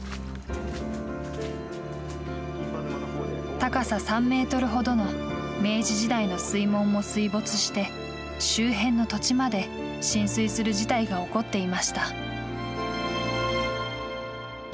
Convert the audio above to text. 高さ３ｍほどの明治時代の水門も水没して周辺の土地まで浸水する事態が起こっていました。